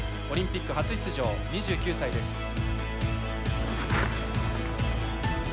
オリンピック初出場、２９歳です。